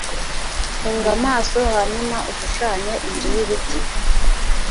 Funga amaso hanyuma ushushanye inzu y'ibiti.